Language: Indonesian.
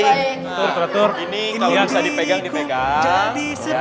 nah ini kalau bisa dipegang dipegang